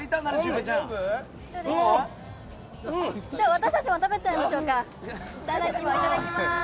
私たちも食べちゃいましょうか。